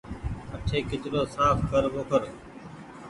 اٺي ڪچرو ساڦ ڪر ٻوکر۔